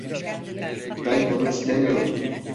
Ben bunu istemiyorum.